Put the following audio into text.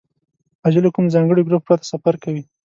حاجي له کوم ځانګړي ګروپ پرته سفر کوي.